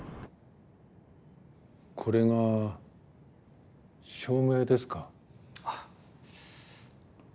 これが照明ですか？